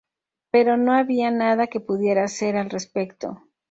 Pero no había nada que pudiera hacer al respecto".